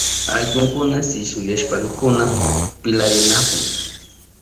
Allkukuna sisuyashpankuna pilarinahun.